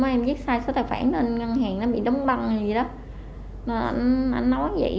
em viết sai số tài khoản nên ngân hàng nó bị đóng băng hay gì đó